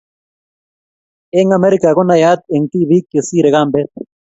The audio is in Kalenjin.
Eng Amerika konayat eng tibiik chesire kambet